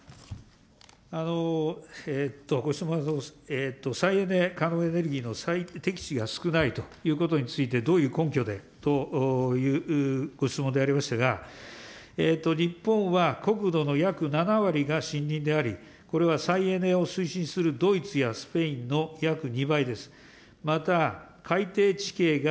ご質問の再エネ可能エネルギーの適地が少ないということについて、どういう根拠でというご質問でありましたが、日本は国土の約７割が森林であり、これは再エネの推進するドイツやスペインの約２倍です。